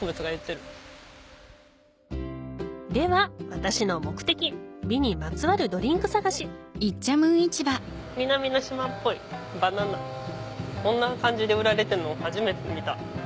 では私の目的美にまつわるドリンク探しこんな感じで売られてるの初めて見た。